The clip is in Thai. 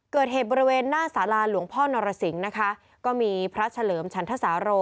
เกิดเหตุบริเวณหน้าสาราหลวงพ่อนรสิงศ์นะคะก็มีพระเฉลิมฉันทสาโร